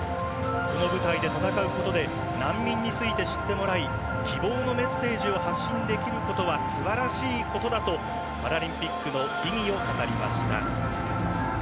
この舞台で戦うことで難民について知ってもらい希望のメッセージを発信できることはすばらしいことだとパラリンピックの意義を語りました。